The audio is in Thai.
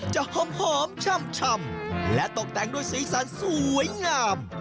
จะหอมช่ำและตกแต่งด้วยสีสันสวยงาม